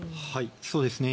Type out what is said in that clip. そうですね。